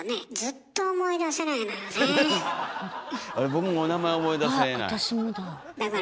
僕も名前思い出せない。